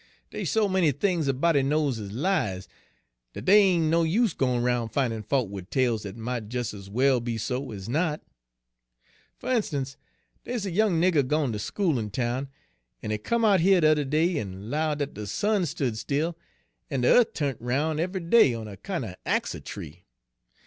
Dey's so many things a body knows is lies, dat dey ain' no use gwine roun' findin' fault wid tales dat mought des ez well be so ez not. F' instance, dey's a young nigger gwine ter school in town, en he come out heah de yuther day en 'lowed dat de sun stood still en de yeath turnt roun' eve'y day on a kinder axletree.